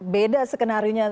beda skenario nya